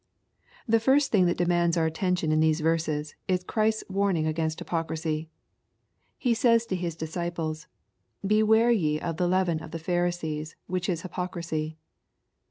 The first thing that demands our attention in these verses is Chrisfa warning against hypocrisy. He says to His disciples, " Beware ye of the leaven of the Phar isees, which is hypocrisy."